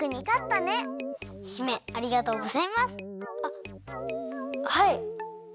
あっはい。